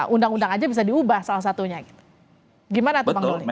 undang undang aja bisa diubah salah satunya gitu gimana tuh bang doli